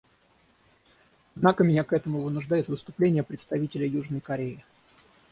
Однако меня к этому вынуждает выступление представителя Южной Кореи.